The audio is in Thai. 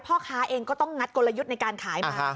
พ่อค้าเองก็ต้องงัดกลยุทธ์ในการขายมา